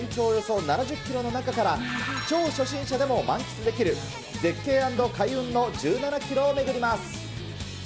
およそ７０キロの中から、超初心者でも満喫できる絶景＆開運の１７キロを巡ります。